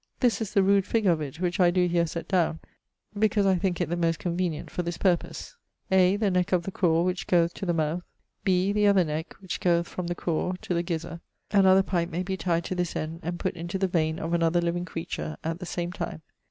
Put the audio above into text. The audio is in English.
This is the rude figure of it which I do here set down because I thinke it the most convenient for this purpose: 'a = the necke of the craw which goeth to the mouth. 'b = the other necke which goeth from the craw to the gissar. Another pipe may be tied to this end and put into the veine of another living creature at the same time.